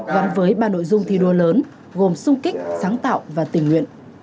gắn với ba nội dung thi đua lớn gồm sung kích sáng tạo và tình nguyện